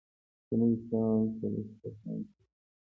د نوي کال په دسترخان کې میوه وي.